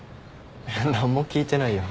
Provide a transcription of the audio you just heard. えっ何も聞いてないよ。